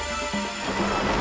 aku akan menghina kau